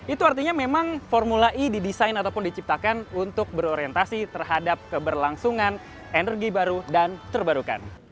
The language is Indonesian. itu artinya memang formula e didesain ataupun diciptakan untuk berorientasi terhadap keberlangsungan energi baru dan terbarukan